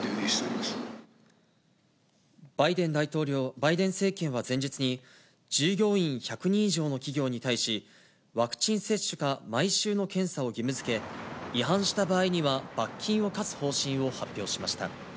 バイデン政権は前日に、従業員１００人以上の企業に対し、ワクチン接種か毎週の検査を義務づけ、違反した場合には罰金を科す方針を発表しました。